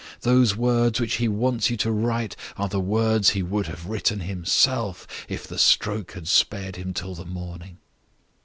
Those words which he wants you to write are the words he would have written himself if the stroke had spared him till the morning.